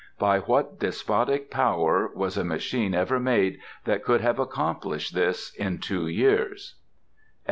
By what despotic power was a machine ever made that could have accomplished this, in two years?